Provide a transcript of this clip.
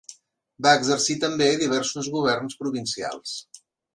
Va exercir també diversos governs provincials.